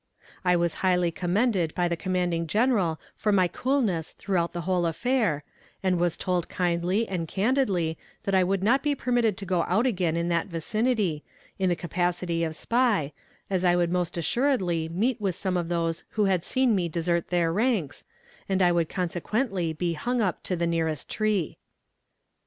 I was highly commended by the commanding general for my coolness throughout the whole affair, and was told kindly and candidly that I would not be permitted to go out again in that vicinity, in the capacity of spy, as I would most assuredly meet with some of those who had seen me desert their ranks, and I would consequently be hung up to the nearest tree.